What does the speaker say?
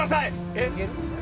えっ？